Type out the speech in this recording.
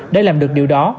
để làm được điều đó